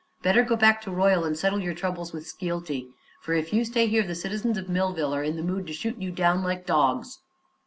Better go back to Royal and settle your troubles with Skeelty, for if you stay here the citizens of Millville are in the mood to shoot you down like dogs."